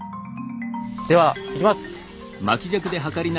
ではいきます。